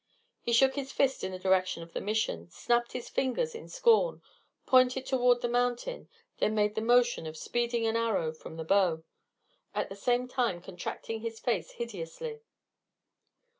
He shook his fist in the direction of the Mission, snapped his fingers in scorn, pointed toward the mountains, then made the motion of speeding an arrow from the bow, at the same time contracting his face hideously.